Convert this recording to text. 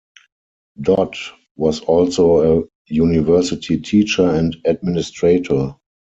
Dodd was also a university teacher and administrator.